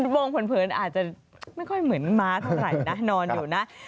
มองเผินอาจจะไม่ค่อยเหมือนม้าเท่าไหร่นะนอนอยู่นะ